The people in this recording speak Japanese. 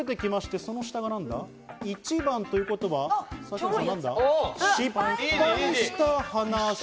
１番ということは失敗した話。